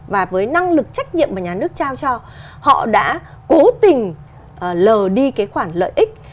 và với năng lực trách nhiệm mà nhà nước trao cho họ đã cố tình lờ đi cái khoản lợi ích